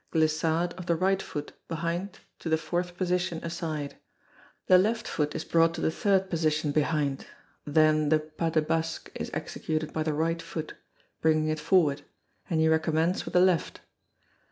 Glissade of the right foot behind to the fourth position aside the left foot is brought to the third position behind then the pas de basque is executed by the right foot, bringing it forward, and you recommence with the left.